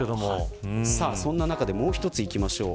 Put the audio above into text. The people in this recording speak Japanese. その中でもう一ついきましょう。